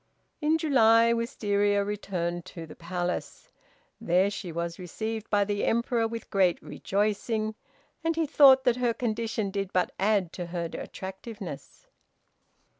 In July Wistaria returned to the palace. There she was received by the Emperor with great rejoicing, and he thought that her condition did but add to her attractiveness.